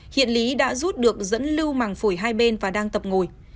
hiện lý đã rút được dẫn lưu màng phổi hai bên và đang tập ngồi